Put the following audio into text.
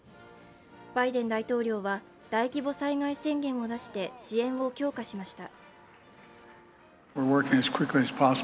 バイデン大統領は、大規模災害宣言を出して、支援を強化しました。